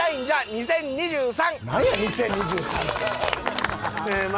２０２３？